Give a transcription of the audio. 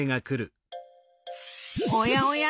おやおや？